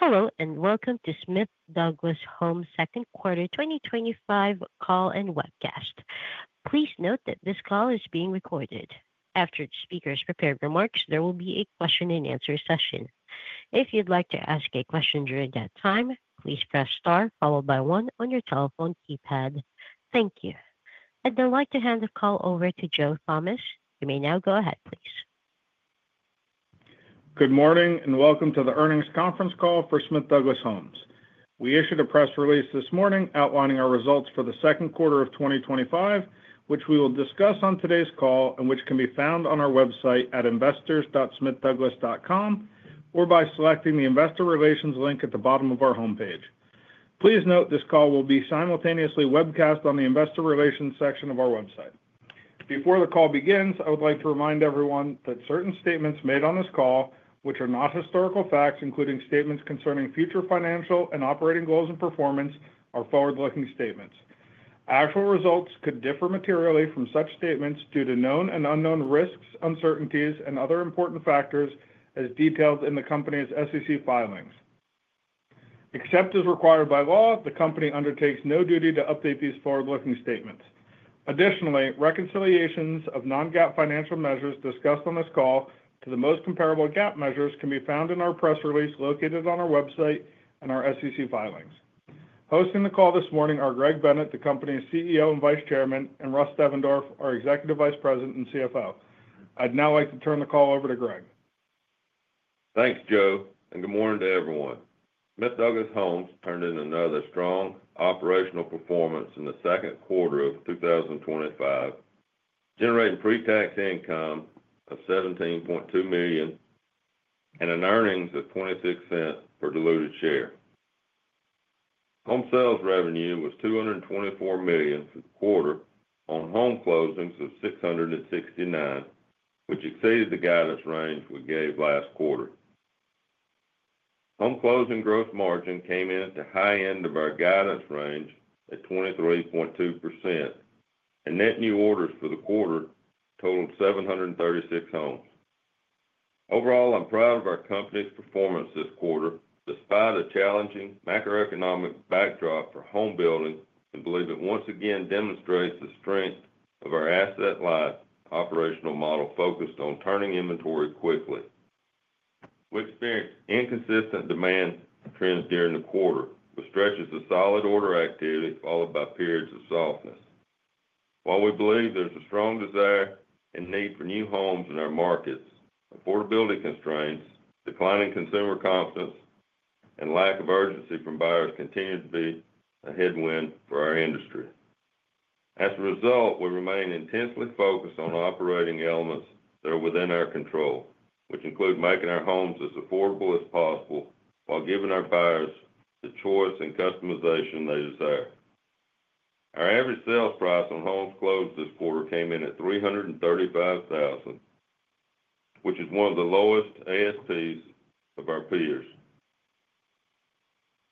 Hello and welcome to Smith Douglas Homes Second Quarter 2025 Call and Webcast. Please note that this call is being recorded. After each speaker has prepared remarks, there will be a question and answer session. If you'd like to ask a question during that time, please press star followed by one on your telephone keypad. Thank you. I'd now like to hand the call over to Joe Thomas. You may now go ahead, please. Good morning and welcome to The Earnings Conference Call for Smith Douglas Homes. We issued a press release this morning outlining our results for the second quarter of 2025, which we will discuss on today's call and which can be found on our website at investors.smithdouglashomes.com or by selecting the investor relations link at the bottom of our homepage. Please note this call will be simultaneously webcast on the investor relations section of our website. Before the call begins, I would like to remind everyone that certain statements made on this call, which are not historical facts, including statements concerning future financial and operating goals and performance, are forward-looking statements. Actual results could differ materially from such statements due to known and unknown risks, uncertainties, and other important factors as detailed in the company's SEC filings. Except as required by law, the company undertakes no duty to update these forward-looking statements. Additionally, reconciliations of non-GAAP financial measures discussed on this call to the most comparable GAAP measures can be found in our press release located on our website and our SEC filings. Hosting the call this morning are Greg Bennett, the company's CEO and Vice Chairman, and Russ Devendorf, our Executive Vice President and CFO. I'd now like to turn the call over to Greg. Thanks, Joe, and good morning to everyone. Smith Douglas Homes turned in another strong operational performance in the second quarter of 2025, generating pre-tax income of $17.2 million and earnings of $0.26 per diluted share. Home sales revenue was $224 million for the quarter on home closings of 669, which exceeded the guidance range we gave last quarter. Home closing gross margin came in at the high end of our guidance range at 23.2%, and net new orders for the quarter totaled 736 homes. Overall, I'm proud of our company's performance this quarter despite a challenging macro-economic backdrop for home building, and believe it once again demonstrates the strength of our asset-led operational model focused on turning inventory quickly. We experienced inconsistent demand trends during the quarter, with stretches of solid order activity followed by periods of softness. While we believe there's a strong desire and need for new homes in our markets, affordability constraints, declining consumer confidence, and lack of urgency from buyers continue to be a headwind for our industry. As a result, we remain intensely focused on operating elements that are within our control, which include making our homes as affordable as possible while giving our buyers the choice and customization they desire. Our average sales price on homes closed this quarter came in at $335,000, which is one of the lowest ASPs of our peers.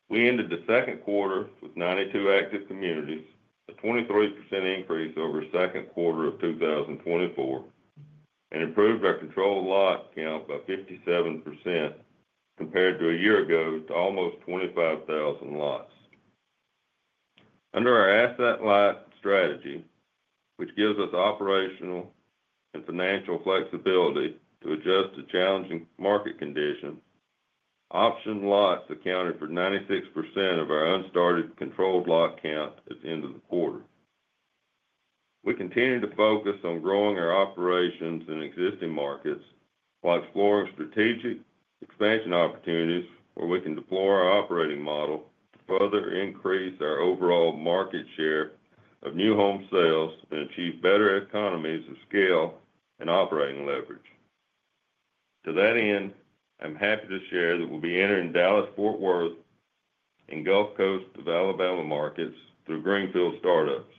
We ended the second quarter with 92 active communities, a 23% increase over the second quarter of 2024, and improved our controlled lot count by 57% compared to a year ago to almost 25,000 lots. Under our asset-led strategy, which gives us operational and financial flexibility to adjust to challenging market conditions, option lots accounted for 96% of our unstarted controlled lot count at the end of the quarter. We continue to focus on growing our operations in existing markets while exploring strategic expansion opportunities where we can deploy our operating model to further increase our overall market share of new home sales and achieve better economies of scale and operating leverage. To that end, I'm happy to share that we'll be entering Dallas-Fort Worth and Gulf Coast of Alabama markets through Greenfield startups.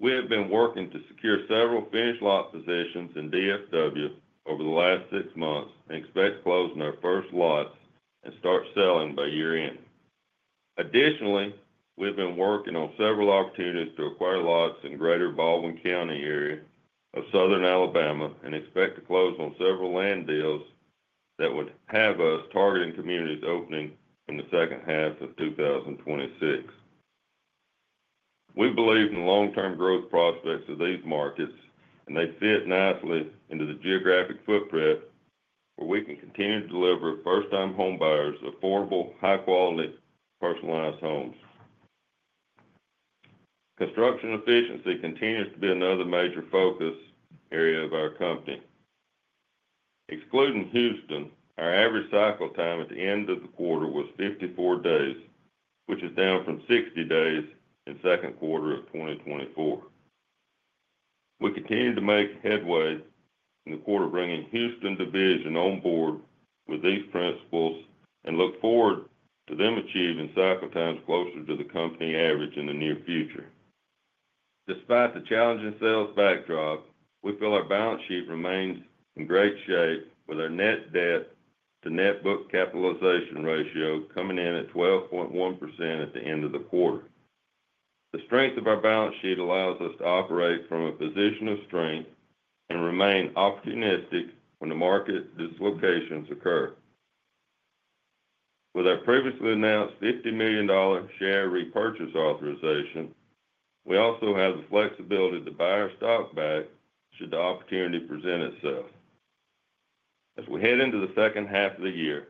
We have been working to secure several finished lot positions in DFW over the last six months and expect to close our first lots and start selling by year-end. Additionally, we've been working on several opportunities to acquire lots in the greater Baldwin County area of Southern Alabama and expect to close on several land deals that would have us targeting communities opening in the second half of 2026. We believe in the long-term growth prospects of these markets, and they fit nicely into the geographic footprint where we can continue to deliver first-time home buyers affordable, high-quality, personalized homes. Construction efficiency continues to be another major focus area of our company. Excluding Houston, our average cycle time at the end of the quarter was 54 days, which is down from 60 days in the second quarter of 2024. We continue to make headway in the quarter bringing Houston division on board with these principles and look forward to them achieving cycle times closer to the company average in the near future. Despite the challenging sales backdrop, we feel our balance sheet remains in great shape with our net debt to net book capitalization ratio coming in at 12.1% at the end of the quarter. The strength of our balance sheet allows us to operate from a position of strength and remain opportunistic when the market dislocations occur. With our previously announced $50 million share repurchase authorization, we also have the flexibility to buy our stock back should the opportunity present itself. As we head into the second half of the year,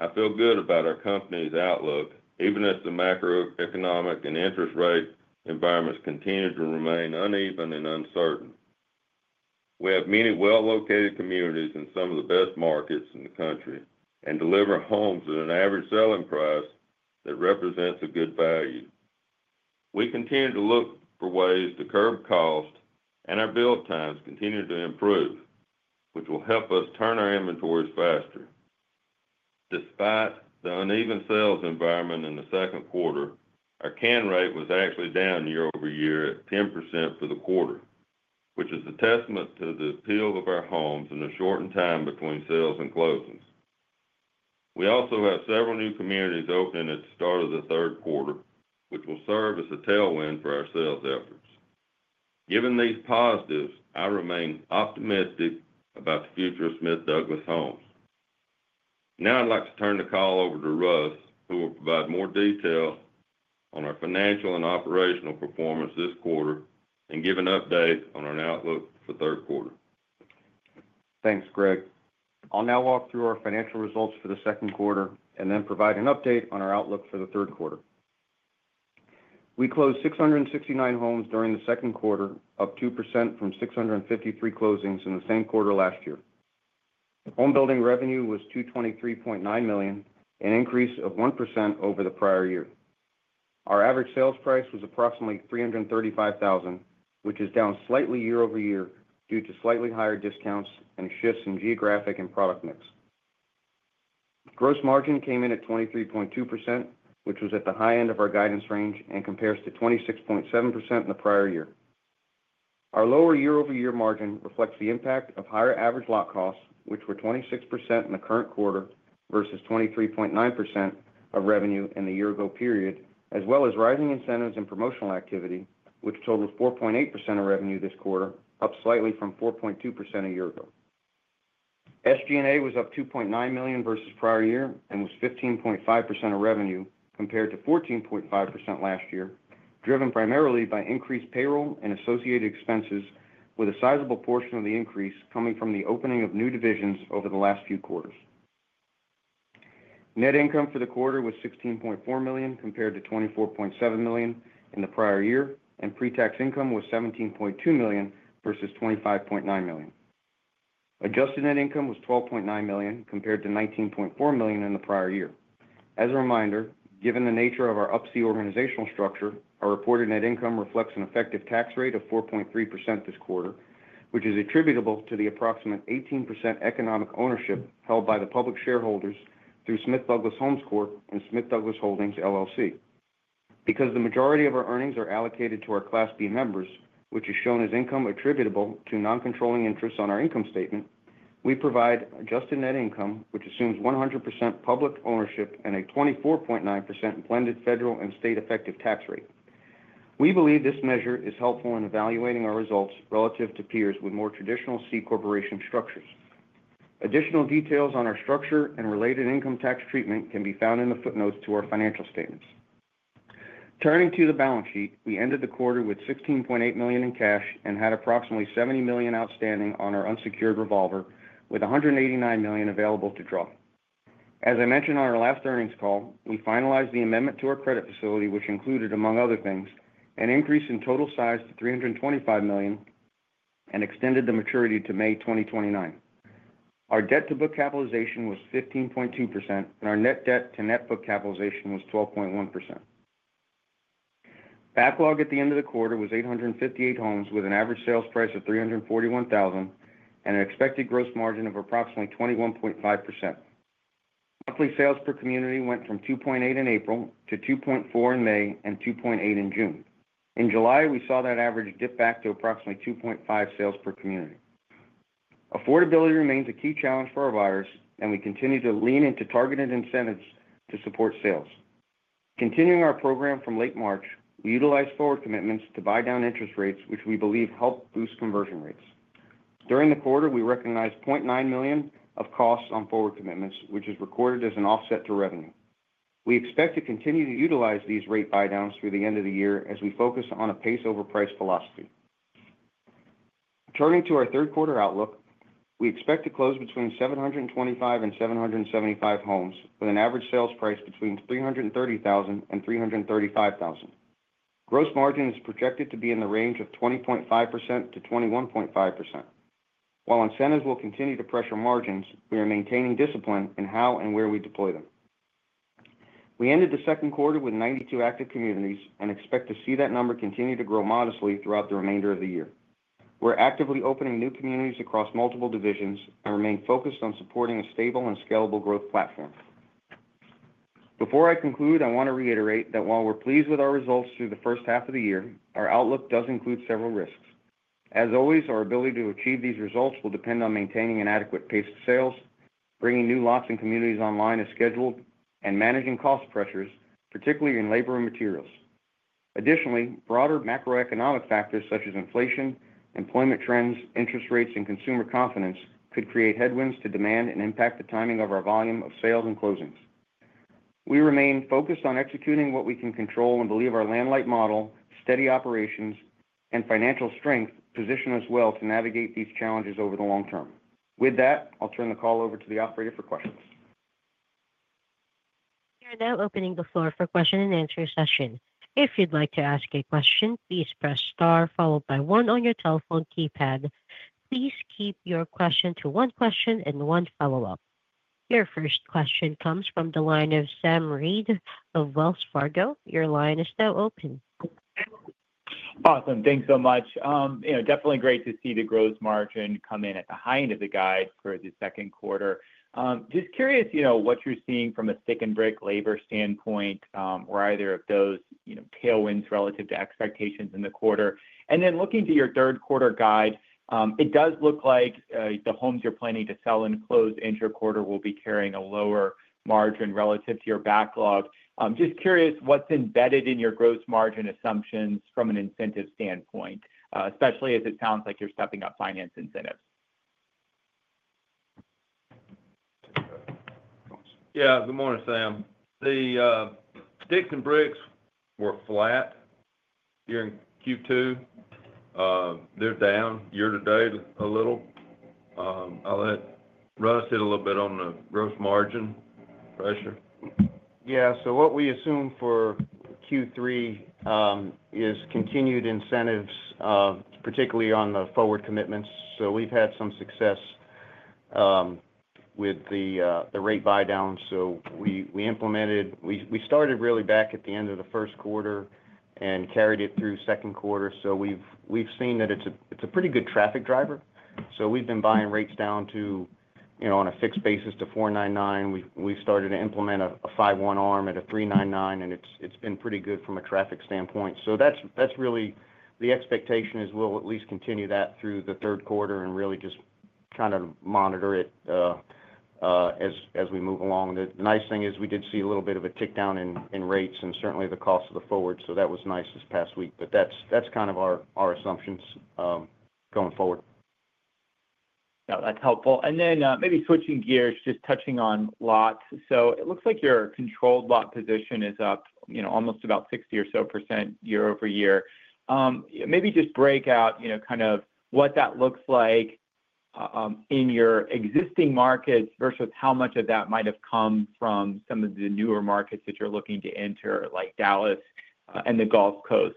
I feel good about our company's outlook, even as the macro-economic and interest rate environments continue to remain uneven and uncertain. We have many well-located communities in some of the best markets in the country and deliver homes at an average selling price that represents a good value. We continue to look for ways to curb cost, and our build times continue to improve, which will help us turn our inventories faster. Despite the uneven sales environment in the second quarter, our can rate was actually down year-over-year at 10% for the quarter, which is a testament to the appeal of our homes in the shortened time between sales and closings. We also have several new communities opening at the start of the third quarter, which will serve as a tailwind for our sales efforts. Given these positives, I remain optimistic about the future of Smith Douglas Homes. Now I'd like to turn the call over to Russ, who will provide more detail on our financial and operational performance this quarter and give an update on our outlook for the third quarter. Thanks, Greg. I'll now walk through our financial results for the second quarter and then provide an update on our outlook for the third quarter. We closed 669 homes during the second quarter, up 2% from 653 closings in the same quarter last year. Home building revenue was $223.9 million, an increase of 1% over the prior year. Our average sales price was approximately $335,000, which is down slightly year-over-year due to slightly higher discounts and shifts in geographic and product mix. Gross margin came in at 23.2%, which was at the high end of our guidance range and compares to 26.7% in the prior year. Our lower year-over-year margin reflects the impact of higher average lot costs, which were 26% in the current quarter versus 23.9% of revenue in the year-ago period, as well as rising incentives and promotional activity, which totals 4.8% of revenue this quarter, up slightly from 4.2% a year ago. SG&A was up $2.9 million versus prior year and was 15.5% of revenue compared to 14.5% last year, driven primarily by increased payroll and associated expenses, with a sizable portion of the increase coming from the opening of new divisions over the last few quarters. Net income for the quarter was $16.4 million compared to $24.7 million in the prior year, and pre-tax income was $17.2 million versus $25.9 million. Adjusted net income was $12.9 million compared to $19.4 million in the prior year. As a reminder, given the nature of our Up-C organizational structure, our reported net income reflects an effective tax rate of 4.3% this quarter, which is attributable to the approximate 18% economic ownership held by the public shareholders through Smith Douglas Homes Corp and Smith Douglas Holdings LLC. Because the majority of our earnings are allocated to our Class B members, which is shown as income attributable to non-controlling interests on our income statement, we provide adjusted net income, which assumes 100% public ownership and a 24.9% blended federal and state effective tax rate. We believe this measure is helpful in evaluating our results relative to peers with more traditional C corporation structures. Additional details on our structure and related income tax treatment can be found in the footnotes to our financial statements. Turning to the balance sheet, we ended the quarter with $16.8 million in cash and had approximately $70 million outstanding on our unsecured revolver, with $189 million available to draw. As I mentioned on our last earnings call, we finalized the amendment to our credit facility, which included, among other things, an increase in total size to $325 million and extended the maturity to May 2029. Our debt-to-book capitalization was 15.2%, and our net debt-to-net book capitalization was 12.1%. Backlog at the end of the quarter was 858 homes with an average sales price of $341,000 and an expected gross margin of approximately 21.5%. Monthly sales per community went from 2.8 in April to 2.4 in May and 2.8 in June. In July, we saw that average dip back to approximately 2.5 sales per community. Affordability remains a key challenge for our buyers, and we continue to lean into targeted incentives to support sales. Continuing our program from late March, we utilized forward commitments to buy down interest rates, which we believe helped boost conversion rates. During the quarter, we recognized $0.9 million of costs on forward commitments, which is recorded as an offset to revenue. We expect to continue to utilize these rate buy downs through the end of the year as we focus on a pace over price philosophy. Turning to our third quarter outlook, we expect to close between 725 and 775 homes with an average sales price between $330,000 and $335,000. Gross margin is projected to be in the range of 20.5%-21.5%. While incentives will continue to pressure margins, we are maintaining discipline in how and where we deploy them. We ended the second quarter with 92 active communities and expect to see that number continue to grow modestly throughout the remainder of the year. We're actively opening new communities across multiple divisions and remain focused on supporting a stable and scalable growth platform. Before I conclude, I want to reiterate that while we're pleased with our results through the first half of the year, our outlook does include several risks. As always, our ability to achieve these results will depend on maintaining an adequate pace of sales, bringing new lots and communities online as scheduled, and managing cost pressures, particularly in labor and materials. Additionally, broader macroeconomic factors such as inflation, employment trends, interest rates, and consumer confidence could create headwinds to demand and impact the timing of our volume of sales and closings. We remain focused on executing what we can control and believe our land-like model, steady operations, and financial strength position us well to navigate these challenges over the long term. With that, I'll turn the call over to the operator for questions. We are now opening the floor for the question and answer session. If you'd like to ask a question, please press star followed by one on your telephone keypad. Please keep your question to one question and one follow-up. Your first question comes from the line of Sam Reid of Wells Fargo. Your line is now open. Awesome. Thanks so much. Definitely great to see the gross margin come in at the high end of the guide for the second quarter. Just curious what you're seeing from a stick and brick labor standpoint or if either of those are tailwinds relative to expectations in the quarter. Looking to your third quarter guide, it does look like the homes you're planning to sell and close into your quarter will be carrying a lower margin relative to your backlog. I'm just curious what's embedded in your gross margin assumptions from an incentive standpoint, especially as it sounds like you're stepping up finance incentives. Yeah, good morning, Sam. The sticks and bricks were flat during Q2. They're down year to date a little. I'll let Russ hit a little bit on the gross margin pressure. Yeah, what we assume for Q3 is continued incentives, particularly on the forward commitments. We've had some success with the rate buy down. We implemented it, started really back at the end of the first quarter and carried it through the second quarter. We've seen that it's a pretty good traffic driver. We've been buying rates down to, you know, on a fixed basis to 4.99%. We started to implement a 5/1 ARM at a 3.99%, and it's been pretty good from a traffic standpoint. That's really the expectation; we'll at least continue that through the third quarter and just kind of monitor it as we move along. The nice thing is we did see a little bit of a tick down in rates and certainly the cost of the forward. That was nice this past week, but that's kind of our assumptions going forward. No, that's helpful. Maybe switching gears, just touching on lots. It looks like your controlled lot position is up almost about 60% year-over-year. Maybe just break out what that looks like in your existing markets versus how much of that might have come from some of the newer markets that you're looking to enter, like Dallas and the Gulf Coast,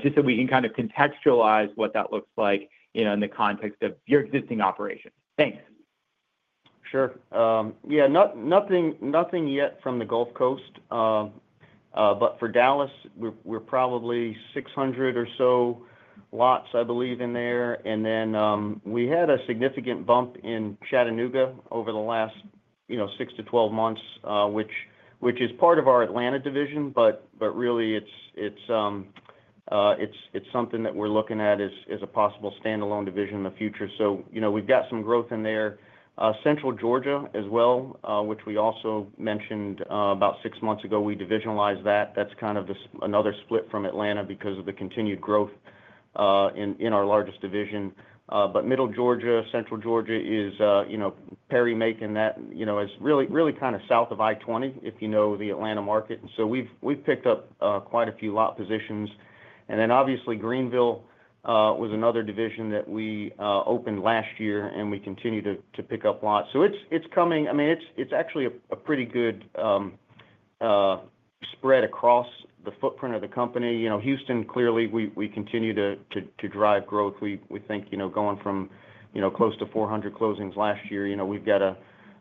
just so we can contextualize what that looks like in the context of your existing operations. Thanks. Sure. Yeah, nothing yet from the Gulf Coast, but for Dallas, we're probably 600 or so lots, I believe, in there. We had a significant bump in Chattanooga over the last 6-12 months, which is part of our Atlanta division, but really it's something that we're looking at as a possible standalone division in the future. We've got some growth in there. Central Georgia as well, which we also mentioned about six months ago, we divisionalized that. That's kind of another split from Atlanta because of the continued growth in our largest division. Middle Georgia, Central Georgia is, you know, Perry making that, you know, is really, really kind of south of I-20, if you know the Atlanta market. We've picked up quite a few lot positions. Obviously, Greenville was another division that we opened last year and we continue to pick up lots. It's coming, I mean, it's actually a pretty good spread across the footprint of the company. Houston clearly, we continue to drive growth. We think going from close to 400 closings last year, we've got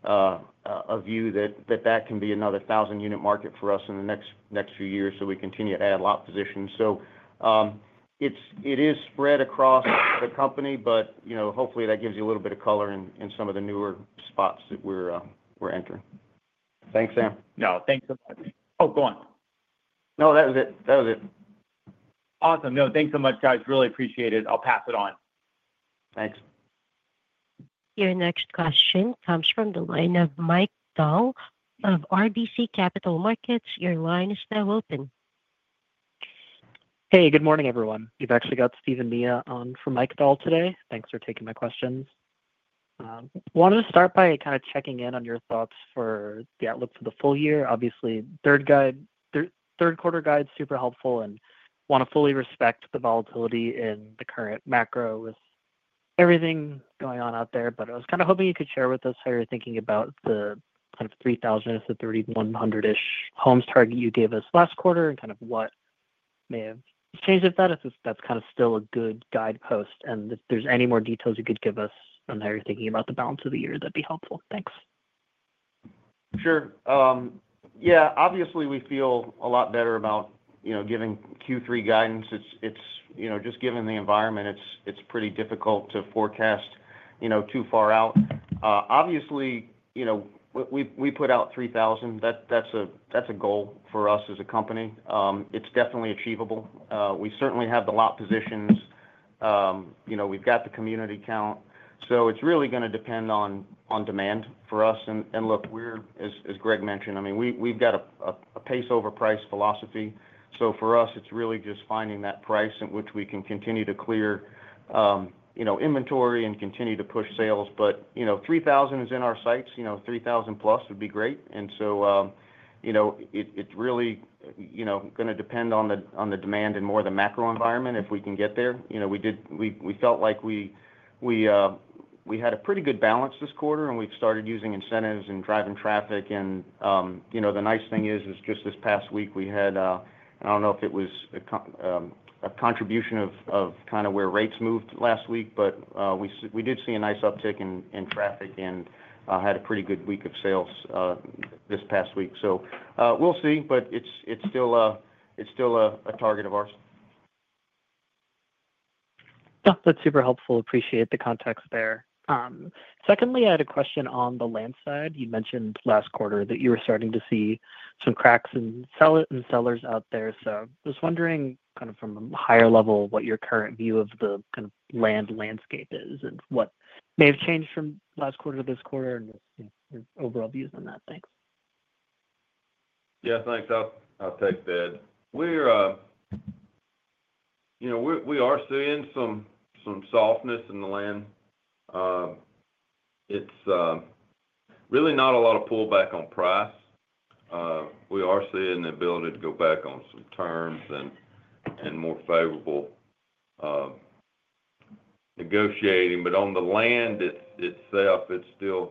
a view that that can be another 1,000 unit market for us in the next few years. We continue to add lot positions. It is spread across the company, but hopefully that gives you a little bit of color in some of the newer spots that we're entering. Thanks, Sam. No, thanks so much. Go on. No, that was it. That was it. Awesome. No, thanks so much, guys. Really appreciate it. I'll pass it on. Thanks. Your next question comes from the line of Mike Dahl of RBC Capital Markets. Your line is now open. Hey, good morning everyone. You've actually got Stephen Mea on for Mike Dahl today. Thanks for taking my questions. Wanted to start by kind of checking in on your thoughts for the outlook for the full year. Obviously, third quarter guide, super helpful and want to fully respect the volatility in the current macro with everything going on out there. I was kind of hoping you could share with us how you're thinking about the kind of 3,000 to 3,100-ish homes target you gave us last quarter and what may have changed with that, if that's still a good guidepost. If there's any more details you could give us on how you're thinking about the balance of the year, that'd be helpful. Thanks. Sure. Yeah, obviously we feel a lot better about, you know, giving Q3 guidance. It's, you know, just given the environment, it's pretty difficult to forecast, you know, too far out. Obviously, you know, we put out 3,000. That's a goal for us as a company. It's definitely achievable. We certainly have the lot positions. You know, we've got the community count. It's really going to depend on demand for us. Look, we're, as Greg mentioned, I mean, we've got a pace over price philosophy. For us, it's really just finding that price at which we can continue to clear, you know, inventory and continue to push sales. You know, 3,000 is in our sights. You know, 3,000+ would be great. It really, you know, going to depend on the demand and more of the macro-economic environment if we can get there. You know, we did, we felt like we had a pretty good balance this quarter and we've started using incentives and driving traffic. The nice thing is, is just this past week we had, I don't know if it was a contribution of kind of where interest rates moved last week, but we did see a nice uptick in traffic and had a pretty good week of sales this past week. We'll see, but it's still a target of ours. Yeah, that's super helpful. Appreciate the context there. Secondly, I had a question on the land side. You mentioned last quarter that you were starting to see some cracks in sellers out there. I was wondering, from a higher level, what your current view of the kind of land landscape is and what may have changed from last quarter to this quarter and your overall views on that. Thanks. Yeah, thanks. I'll take that. We are seeing some softness in the land. It's really not a lot of pullback on price. We are seeing the ability to go back on some terms and more favorable negotiating. On the land itself, it's still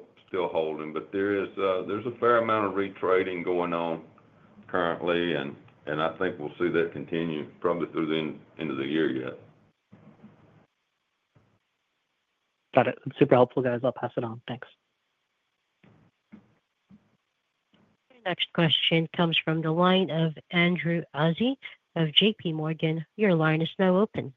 holding. There is a fair amount of retrading going on currently. I think we'll see that continue probably through the end of the year yet. Got it. That's super helpful, guys. I'll pass it on. Thanks. Next question comes from the line of Andrew Azzi of JPMorgan. Your line is now open.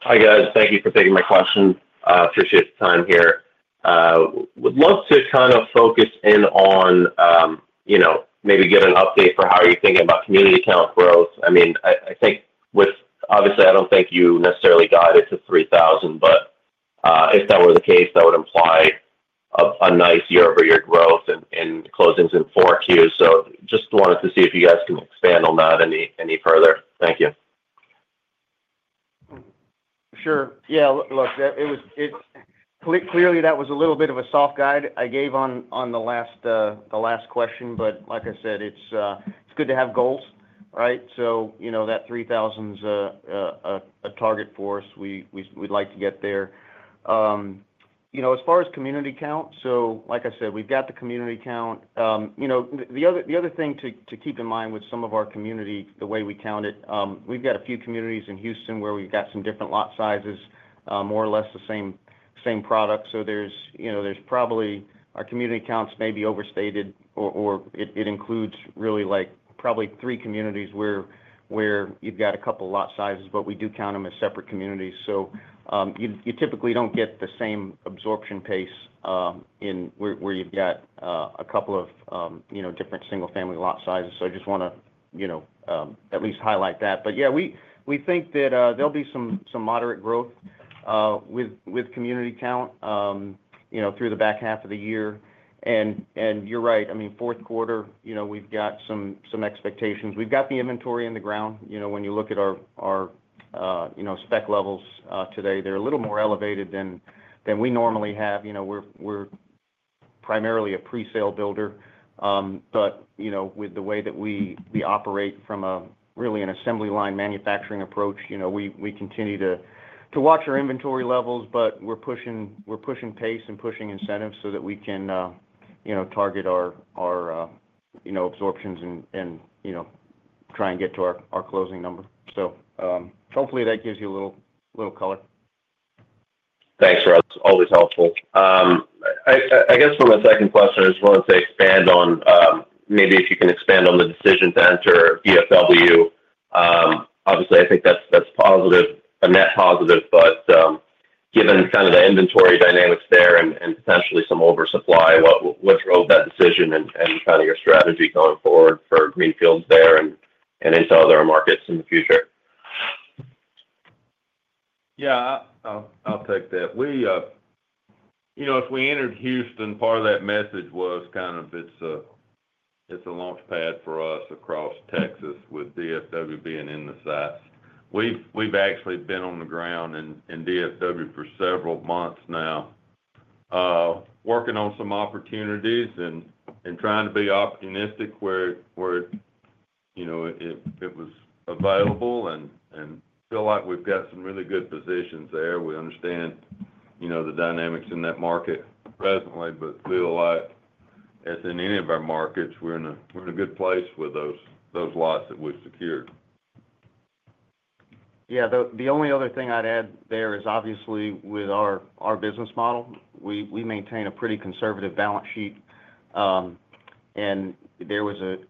Hi guys, thank you for taking my question. Appreciate the time here. I would love to kind of focus in on, you know, maybe give an update for how you're thinking about community count growth. I mean, I think with, obviously, I don't think you necessarily got it to 3,000, but if that were the case, that would imply a nice year-over-year growth and closings in four tiers. Just wanted to see if you guys can expand on that any further. Thank you. Sure. Yeah, look, it was clearly a little bit of a soft guide I gave on the last question. Like I said, it's good to have goals, right? That 3,000 is a target for us. We'd like to get there. As far as community count, like I said, we've got the community count. The other thing to keep in mind with some of our community, the way we count it, we've got a few communities in Houston where we've got some different lot sizes, more or less the same product. There's probably our community counts may be overstated or it includes really like probably three communities where you've got a couple lot sizes, but we do count them as separate communities. You typically don't get the same absorption pace in where you've got a couple of different single-family lot sizes. I just want to at least highlight that. We think that there'll be some moderate growth with community count through the back half of the year. You're right. I mean, fourth quarter, we've got some expectations. We've got the inventory in the ground. When you look at our spec levels today, they're a little more elevated than we normally have. We're primarily a pre-sale builder. With the way that we operate from really an assembly line manufacturing approach, we continue to watch our inventory levels, but we're pushing pace and pushing incentives so that we can target our absorptions and try and get to our closing number. Hopefully that gives you a little color. Thanks, Russ. Always helpful. I guess for my second question, I just wanted to expand on maybe if you can expand on the decision to enter DFW. Obviously, I think that's a net positive, but given kind of the inventory dynamics there and potentially some oversupply, what drove that decision and kind of your strategy going forward for Greenfield there and into other markets in the future? Yeah, I'll take that. If we entered Houston, part of that message was kind of it's a launchpad for us across Texas with DFW being in the south. We've actually been on the ground in DFW for several months now, working on some opportunities and trying to be optimistic where it was available and feel like we've got some really good positions there. We understand the dynamics in that market presently, but feel like as in any of our markets, we're in a good place with those lots that we've secured. Yeah, the only other thing I'd add there is obviously with our business model, we maintain a pretty conservative balance sheet. There was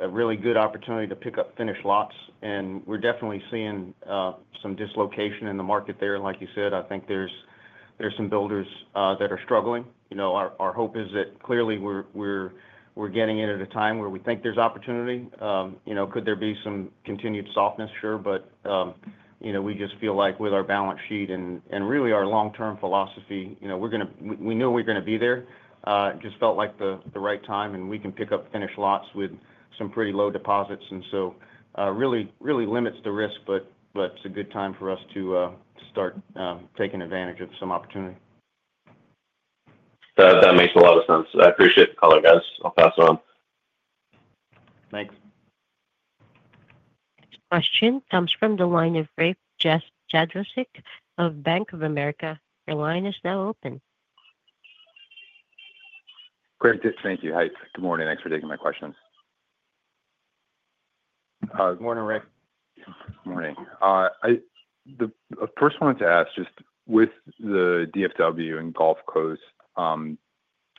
a really good opportunity to pick up finished lots. We're definitely seeing some dislocation in the market there. Like you said, I think there's some builders that are struggling. Our hope is that clearly we're getting in at a time where we think there's opportunity. Could there be some continued softness? Sure. We just feel like with our balance sheet and really our long-term philosophy, we're going to, we knew we were going to be there. It just felt like the right time and we can pick up finished lots with some pretty low deposits. It really, really limits the risk, but it's a good time for us to start taking advantage of some opportunity. That makes a lot of sense. I appreciate the call, guys. I'll pass it on. Thanks. Next question comes from the line of Rafe Jadrosich of Bank of America. Your line is now open. Great. Thank you. Hi. Good morning. Thanks for taking my questions. Good morning, Rafe. Good morning. I first wanted to ask, just with the DFW and Gulf Coast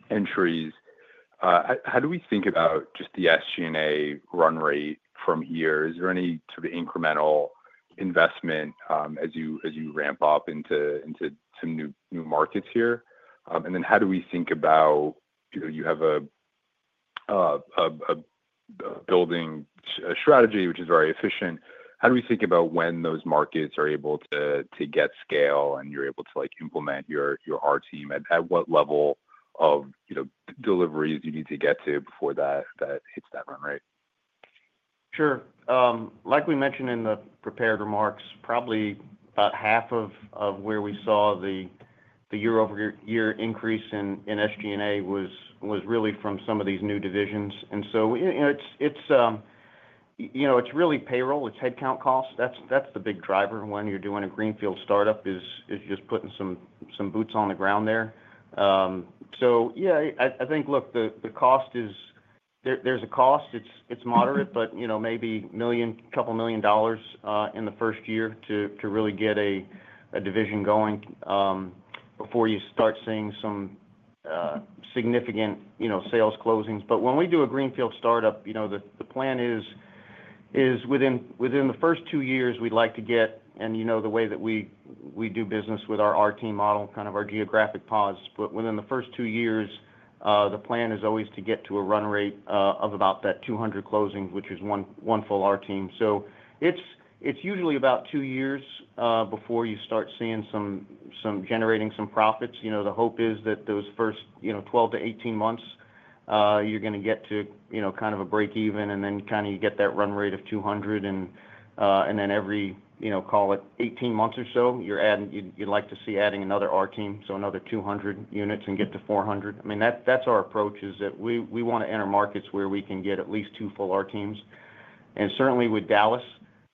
entries, how do we think about just the SG&A run rate from here? Is there any sort of incremental investment as you ramp up into some new markets here? How do we think about, you know, you have a building strategy, which is very efficient. How do we think about when those markets are able to get scale and you're able to implement your RTM at what level of, you know, deliveries you need to get to before that hits that run rate? Sure. Like we mentioned in the prepared remarks, probably about half of where we saw the year-over-year increase in SG&A was really from some of these new divisions. It's really payroll. It's headcount costs. That's the big driver when you're doing a Greenfield startup, just putting some boots on the ground there. I think the cost is, there's a cost. It's moderate, maybe a couple million dollars in the first year to really get a division going before you start seeing some significant sales closings. When we do a Greenfield startup, the plan is within the first two years, we'd like to get, and the way that we do business with our RTM model, kind of our geographic pods, within the first two years, the plan is always to get to a run rate of about that 200 closings, which is one full RTM. It's usually about two years before you start generating some profits. The hope is that those first 12-18 months, you're going to get to kind of a break even and then you get that run rate of 200. Every 18 months or so, you'd like to see adding another RTM, so another 200 units and get to 400. Our approach is that we want to enter markets where we can get at least two full RTMs. Certainly with Dallas,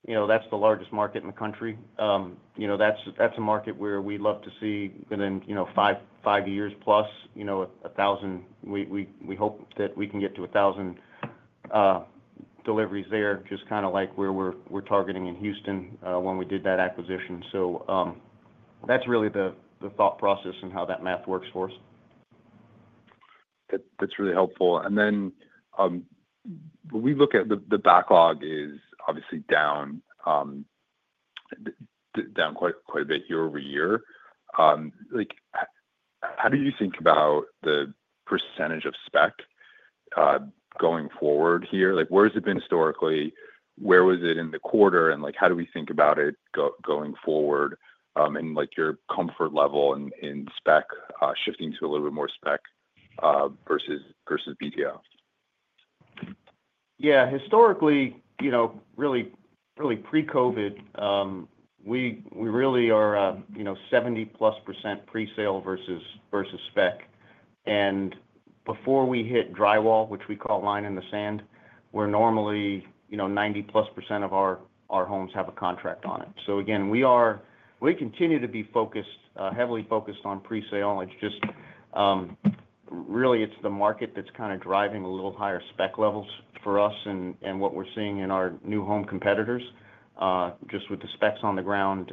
that's the largest market in the country. That's a market where we'd love to see, in five years plus, a thousand, we hope that we can get to a thousand deliveries there, just like where we're targeting in Houston when we did that acquisition. That's really the thought process and how that math works for us. That's really helpful. When we look at the backlog, it's obviously down quite a bit year-over-year. How do you think about the percentage of spec going forward here? Where has it been historically? Where was it in the quarter? How do we think about it going forward and your comfort level in spec shifting to a little bit more spec versus BTO? Yeah, historically, you know, really, really pre-COVID, we really are, you know, 70%+ pre-sale versus spec. Before we hit drywall, which we call line in the sand, we're normally, you know, 90%+ of our homes have a contract on it. We continue to be focused, heavily focused on pre-sale. It's just really, it's the market that's kind of driving a little higher spec levels for us and what we're seeing in our new home competitors, just with the specs on the ground.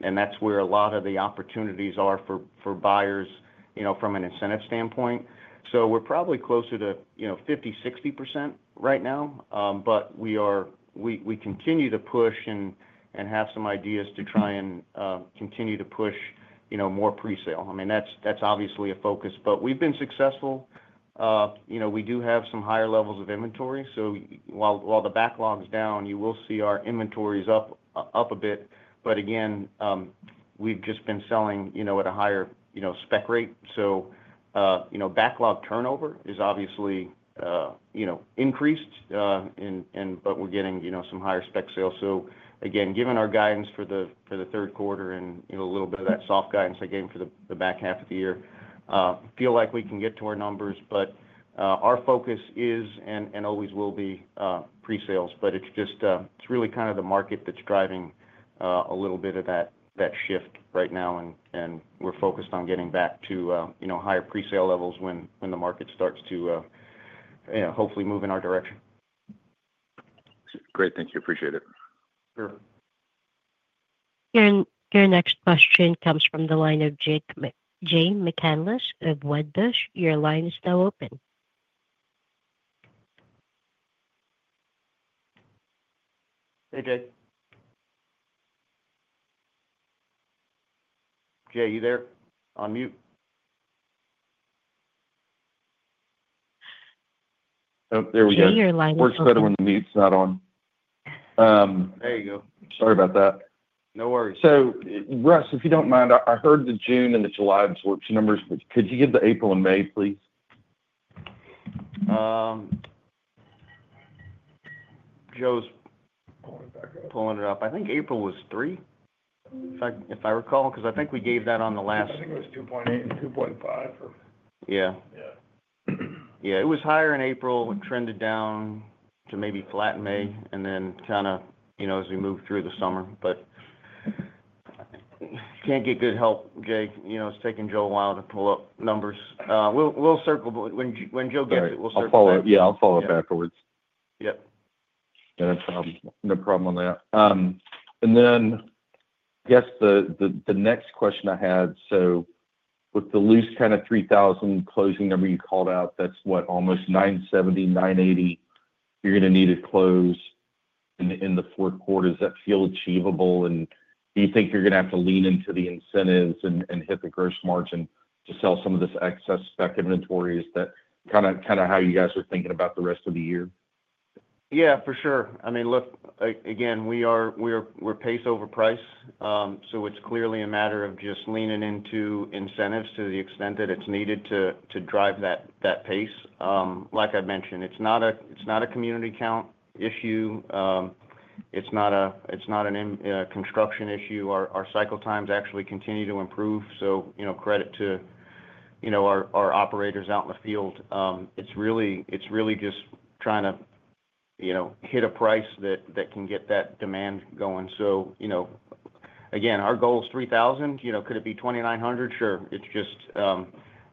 That's where a lot of the opportunities are for buyers, you know, from an incentive standpoint. We're probably closer to, you know, 50%-60% right now. We continue to push and have some ideas to try and continue to push, you know, more pre-sale. I mean, that's obviously a focus, but we've been successful. We do have some higher levels of inventory. While the backlog is down, you will see our inventory is up a bit. We've just been selling, you know, at a higher, you know, spec rate. Backlog turnover is obviously, you know, increased, but we're getting, you know, some higher spec sales. Given our guidance for the third quarter and, you know, a little bit of that soft guidance I gave for the back half of the year, I feel like we can get to our numbers. Our focus is and always will be pre-sales, but it's just, it's really kind of the market that's driving a little bit of that shift right now. We're focused on getting back to, you know, higher pre-sale levels when the market starts to, you know, hopefully move in our direction. Great. Thank you. Appreciate it. Your next question comes from the line of Jay McCanless of Wedbush. Your line is now open. Hey, Jay. Are you there? On mute? Oh, there we go. Jay, your line is now. It works better when the mute's not on. There you go. Sorry about that. No worries. Russ, if you don't mind, I heard the June and the July and the March numbers. Could you get the April and May, please? Joe's pulling it up. I think April was three, if I recall, because I think we gave that on the last. I think it was 2.8 and 2.5. Yeah, it was higher in April. It trended down to maybe flat in May, and then kind of, you know, as we moved through the summer. Can't get good help, Jay. It's taking Joe a while to pull up numbers. We'll circle when Joe gets it. Yeah, I'll pull it backwards. Yeah, no problem on that. I guess the next question I had, with the loose kind of 3,000 closing number you called out, that's what, almost 970, 980 you're going to need to close in the fourth quarter. Does that feel achievable? Do you think you're going to have to lean into the incentives and hit the gross margin to sell some of this excess spec inventory? Is that kind of how you guys are thinking about the rest of the year? Yeah, for sure. I mean, look, again, we are pace over price. It's clearly a matter of just leaning into incentives to the extent that it's needed to drive that pace. Like I mentioned, it's not a community count issue. It's not a construction issue. Our cycle times actually continue to improve. Credit to our operators out in the field. It's really just trying to hit a price that can get that demand going. Again, our goal is 3,000. Could it be 2,900? Sure.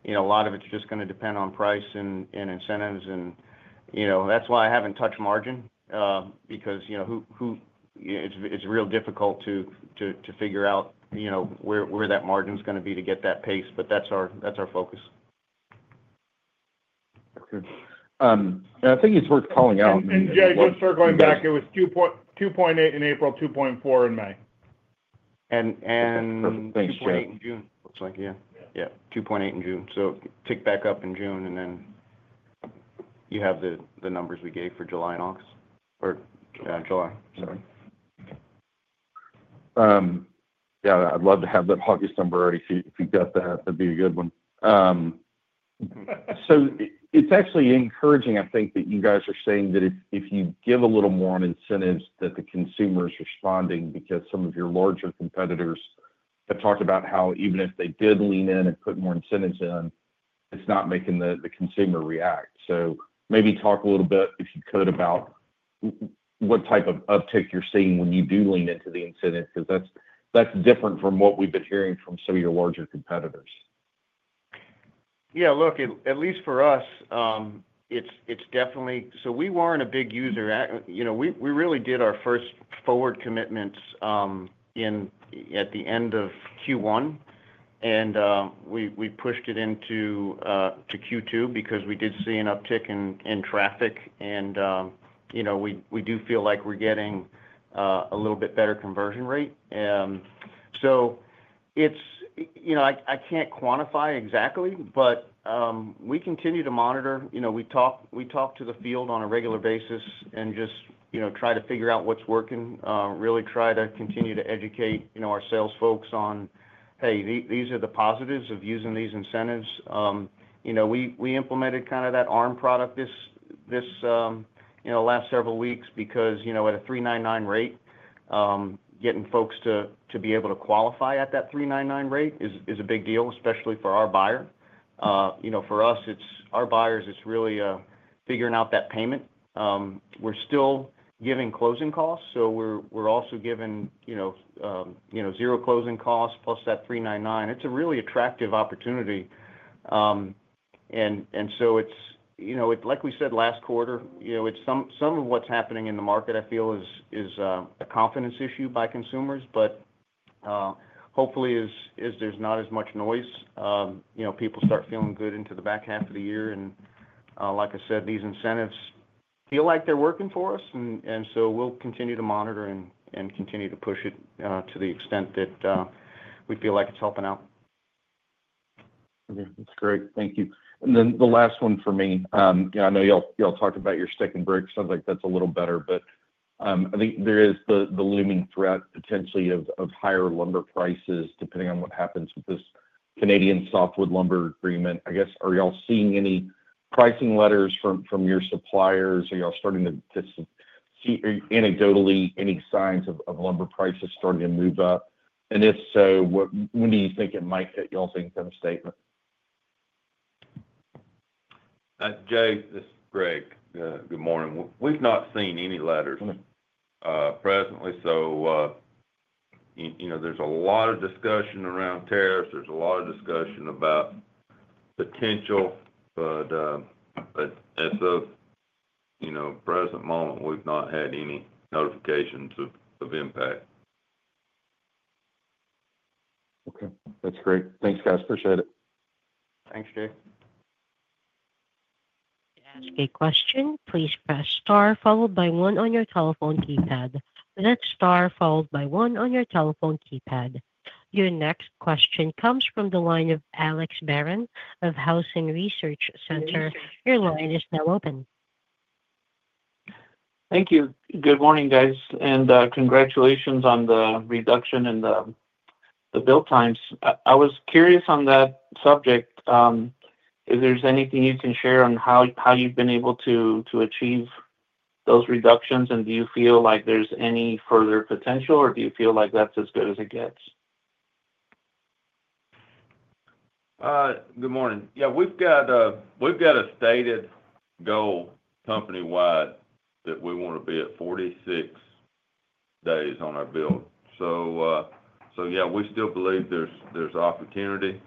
A lot of it's just going to depend on price and incentives. That's why I haven't touched margin because it's real difficult to figure out where that margin is going to be to get that pace. That's our focus. I think it's worth calling out. Yeah, just circling back, it was 2.8 in April, 2.4 in May. It looks like 2.8 in June, yeah. Yeah, 2.8 in June. Tick back up in June, and then you have the numbers we gave for July and August or July. Yeah, I'd love to have that August number already. If you've got that, that'd be a good one. It's actually encouraging, I think, that you guys are saying that if you give a little more on incentives, the consumer is responding because some of your larger competitors have talked about how even if they did lean in and put more incentives in, it's not making the consumer react. Maybe talk a little bit, if you could, about what type of uptick you're seeing when you do lean into the incentives because that's different from what we've been hearing from some of your larger competitors. Yeah, look, at least for us, it's definitely, we weren't a big user. We really did our first forward commitments at the end of Q1, and we pushed it into Q2 because we did see an uptick in traffic. We do feel like we're getting a little bit better conversion rate. I can't quantify exactly, but we continue to monitor. We talk to the field on a regular basis and just try to figure out what's working, really try to continue to educate our sales folks on, hey, these are the positives of using these incentives. We implemented kind of that ARM product this last several weeks because, at a 3.99% rate, getting folks to be able to qualify at that 3.99% rate is a big deal, especially for our buyer. For us, it's our buyers, it's really figuring out that payment. We're still giving closing costs. We're also giving zero closing costs plus that 3.99%. It's a really attractive opportunity. Like we said last quarter, some of what's happening in the market, I feel, is a confidence issue by consumers. Hopefully, as there's not as much noise, people start feeling good into the back half of the year. Like I said, these incentives feel like they're working for us, and we'll continue to monitor and continue to push it to the extent that we feel like it's helping out. That's great. Thank you. The last one for me, I know y'all talked about your stick and brick. It sounds like that's a little better, but I think there is the looming threat potentially of higher lumber prices depending on what happens with this Canadian Softwood Lumber Agreement. I guess, are y'all seeing any pricing letters from your suppliers? Are y'all starting to see anecdotally any signs of lumber prices starting to move up? If so, when do you think it might hit y'all's income statement? Jay, this is Greg. Good morning. We've not seen any letters presently. There's a lot of discussion around tariffs and a lot of discussion about potential, but as of the present moment, we've not had any notifications of impact. Okay, that's great. Thanks, guys. Appreciate it. Thanks, Jay. To ask a question, please press star followed by one on your telephone keypad. That's star followed by one on your telephone keypad. Your next question comes from the line of Alex Barron of Housing Research Center. Your line is now open. Thank you. Good morning, guys, and congratulations on the reduction in the build times. I was curious on that subject. Is there anything you can share on how you've been able to achieve those reductions? Do you feel like there's any further potential, or do you feel like that's as good as it gets? Good morning. We have a stated goal company-wide that we want to be at 46 days on our build. We still believe there's opportunity.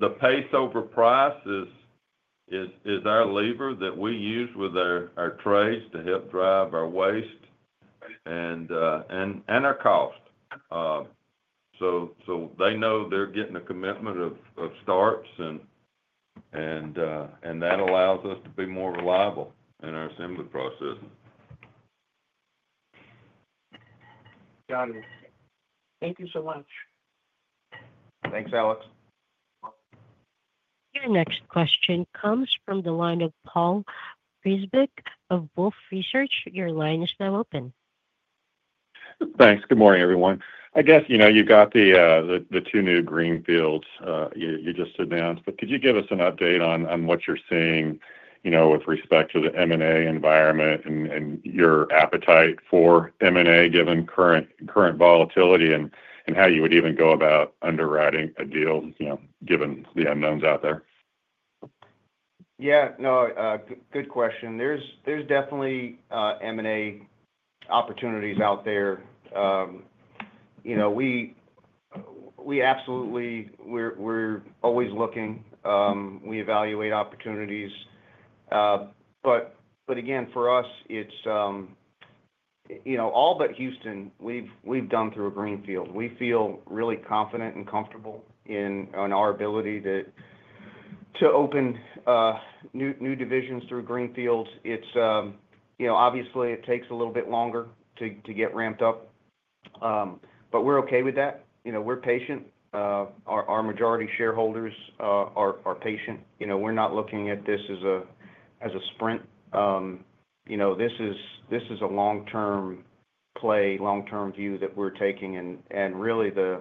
The pace over price is our lever that we use with our trades to help drive our waste and our cost. They know they're getting a commitment of starts, and that allows us to be more reliable in our assembly process. Got it. Thank you so much. Thanks, Alex. Your next question comes from the line of Paul Przybylski of Wolfe Research. Your line is now open. Thanks. Good morning, everyone. I guess you've got the two new Greenfields you just announced, but could you give us an update on what you're seeing with respect to the M&A environment and your appetite for M&A given current volatility and how you would even go about underwriting a deal given the unknowns out there? Yeah, no, good question. There's definitely M&A opportunities out there. We absolutely, we're always looking. We evaluate opportunities. Again, for us, it's, all but Houston, we've done through a Greenfield. We feel really confident and comfortable in our ability to open new divisions through Greenfield. It obviously takes a little bit longer to get ramped up. We're okay with that. We're patient. Our majority shareholders are patient. We're not looking at this as a sprint. This is a long-term play, long-term view that we're taking. Really, the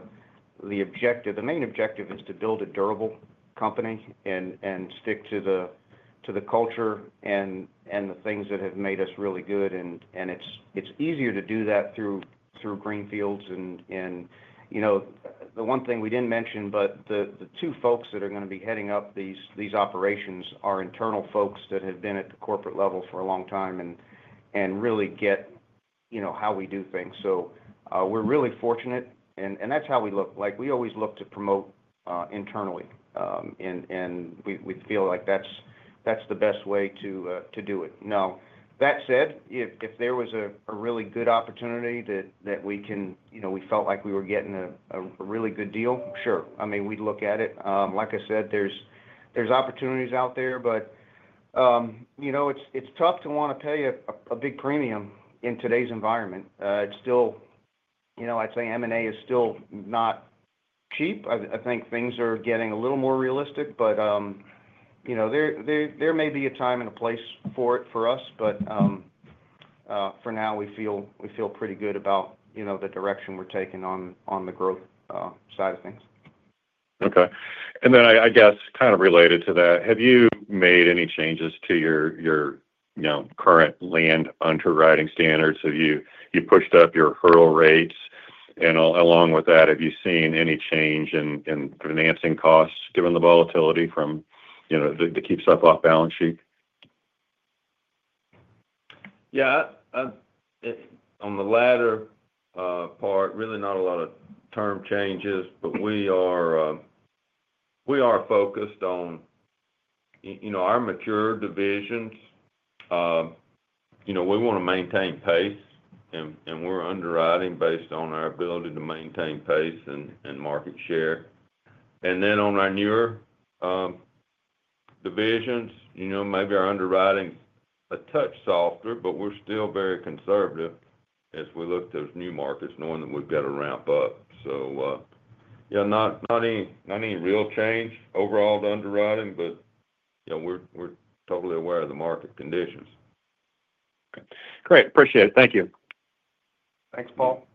main objective is to build a durable company and stick to the culture and the things that have made us really good. It's easier to do that through Greenfields. The one thing we didn't mention, but the two folks that are going to be heading up these operations are internal folks that have been at the corporate level for a long time and really get how we do things. We're really fortunate. That's how we look. We always look to promote internally. We feel like that's the best way to do it. That said, if there was a really good opportunity that we felt like we were getting a really good deal, sure. We'd look at it. Like I said, there's opportunities out there, but it's tough to want to pay a big premium in today's environment. It's still, I'd say M&A is still not cheap. I think things are getting a little more realistic, but there may be a time and a place for it for us. For now, we feel pretty good about the direction we're taking on the growth side of things. Okay. I guess kind of related to that, have you made any changes to your current land underwriting standards? Have you pushed up your hurdle rates? Along with that, have you seen any change in financing costs given the volatility from, you know, to keep stuff off balance sheet? Yeah, on the latter part, really not a lot of term changes, but we are focused on our mature divisions. We want to maintain pace, and we're underwriting based on our ability to maintain pace and market share. On our newer divisions, maybe our underwriting is a touch softer, but we're still very conservative as we look at those new markets, knowing that we've got to ramp up. Not any real change overall to underwriting, but we're totally aware of the market conditions. Great. Appreciate it. Thank you. Thanks, Paul.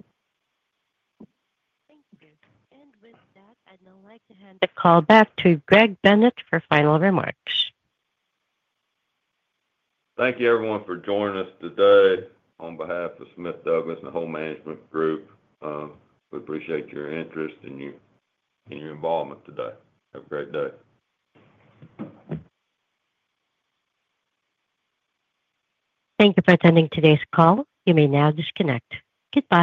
Thank you. With that, I'd now like to hand the call back to Greg Bennett for final remarks. Thank you, everyone, for joining us today on behalf of Smith Douglas and the Home Management Group. We appreciate your interest and your involvement today. Have a great day. Thank you for attending today's call. You may now disconnect. Goodbye.